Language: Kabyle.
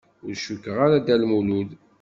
Ur cukkeɣ ara d Dda Lmulud.